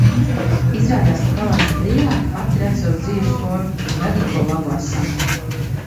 Izrādās, ka, palaista brīvāk, pati radu savas dzīves formu. Un redzu to labu esam.